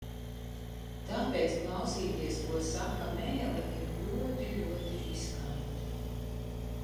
Tāpēc klausīties, ko saka mēle, ir ļoti, ļoti riskanti.